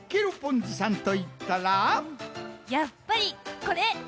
やっぱりこれ！